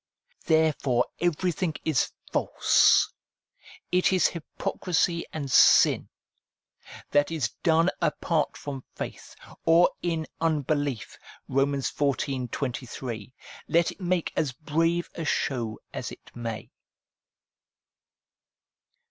Therefore everything is false ŌĆö it is hypocrisy and sin ŌĆö that is done apart from faith, or in unbelief (Rom. xiv. 23), let it make as brave a show as it may.